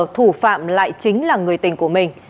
thủ phạm lại chính là người tình của mình